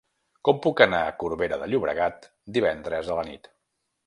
Com puc anar a Corbera de Llobregat divendres a la nit?